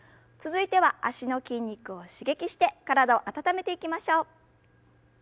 続いては脚の筋肉を刺激して体を温めていきましょう。